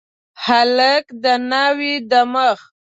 هلک د ناوي د مخ